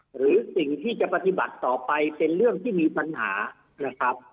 หรือสิ่งที่จะปฏิบัติต่อไปเป็นเรื่องที่มีปัญหานะครับ